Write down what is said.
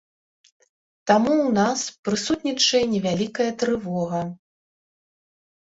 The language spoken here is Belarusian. Таму ў нас прысутнічае невялікая трывога.